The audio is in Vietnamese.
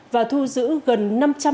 và thu giữ gần năm trăm linh người